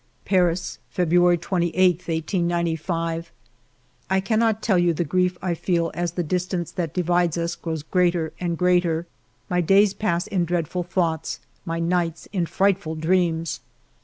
... "Paris, February 28, 1895. " I cannot tell you the grief I feel as the distance that divides us grows greater and greater. My days pass in dreadful thoughts, my nights in frightful dreams.